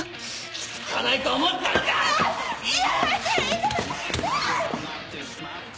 気付かないと思ったのか⁉あぁやめて！